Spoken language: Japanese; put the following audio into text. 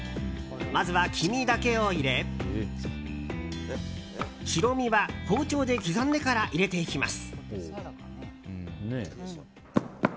まずは黄身だけを入れ白身は包丁で刻んでから入れていきます。